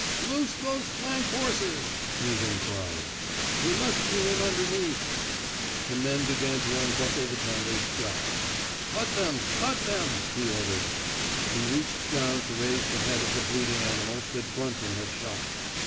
'* Loose those flank horses, *' Meaghan cried. *' He must be 'n underneath." The men began to unbuckle the tangled straps. Cut them! Cut them! " he ordered. He reached down to raise the head of the bleeding animal that Brunton had shot.